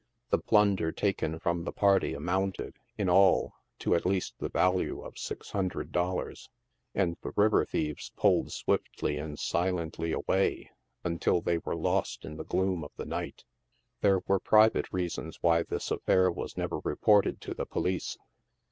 The plun der taken from the party amounted, in all, to at least the value of six hundred dollars, and the river thieves pulled swiftly and silently away, until they were lost in the gloom of the night. There were private reasons why this affair was never reported to the police.